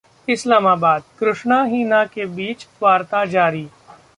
इस्लामाबाद: कृष्णा-हिना के बीच वार्ता जारी